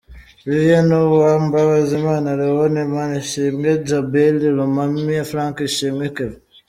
Vivien, Uwambazimana Leon, Manishimwe Djabel, Lomami Frank, Ishimwe Kevin.